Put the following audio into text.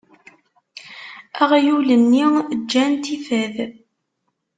Aɣyul-nni ǧǧan-t ifad.